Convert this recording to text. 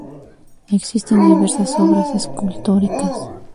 Existen diversas obras escultóricas.